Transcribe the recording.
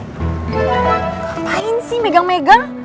ngapain sih megang megang